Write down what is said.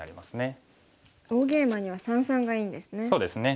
大ゲイマには三々がいいんですね。